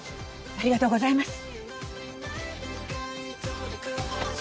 ありがとうございます。